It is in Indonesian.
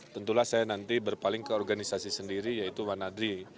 tentulah saya nanti berpaling ke organisasi sendiri yaitu wanadri